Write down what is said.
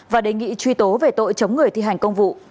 và đề nghị truy tố về tội chống người thi hành công vụ